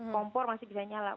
kompor masih bisa nyala